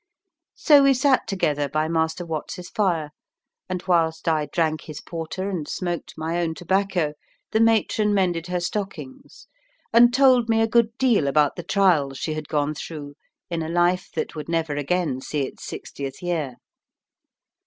So we sat together by Master Watts's fire, and whilst I drank his porter and smoked my own tobacco, the matron mended her stockings, and told me a good deal about the trials she had gone through in a life that would never again see its sixtieth year.